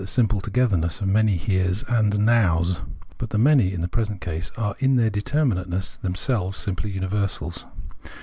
a simple togetherness of many Heres and Nows. But the many (in the present case) are in their determinateness themselves simply universals.